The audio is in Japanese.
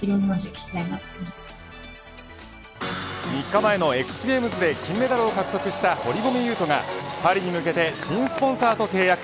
３日前のＸＧａｍｅｓで金メダルを獲得した堀米雄斗がパリに向けて新スポンサーと契約。